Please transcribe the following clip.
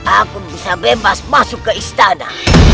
aku bisa bebas masuk ke istana